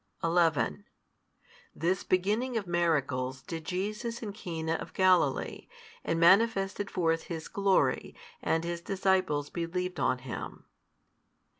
|157 11 This beginning of miracles did Jesus in Cana of Galilee, and manifested forth His glory, and His disciples believed on Him.